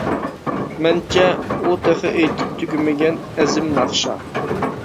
مەنچە، ئۇ تېخى ئېيتىپ تۈگىمىگەن ئەزىم ناخشا!